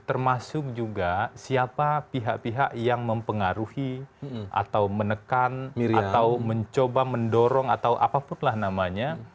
termasuk juga siapa pihak pihak yang mempengaruhi atau menekan atau mencoba mendorong atau apapun lah namanya